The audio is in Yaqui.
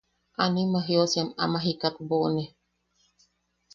Anima jiosiam ama jikat boʼone.